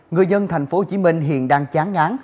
người dân thành phố hồ chí minh hiện đang chán ngán